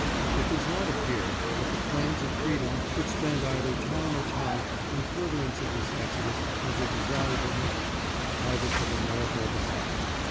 " It does not appear that the friends of freedom should spend either time or talent in furtherance of this exodus as a desirable measure, either for the North or the South.